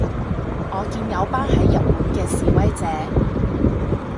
我見有班喺日本嘅示威者